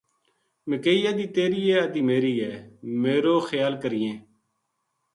مکئی ادھی تیری ہے ادھی میری ہے میر و خیا ل کرینے